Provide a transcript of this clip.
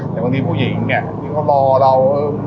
แต่บางทีผู้หญิงเนี้ยเราก็รอเราเออ